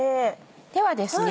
ではですね